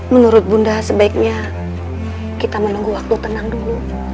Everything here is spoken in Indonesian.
menurut bunda sebaiknya kita menunggu waktu tenang dulu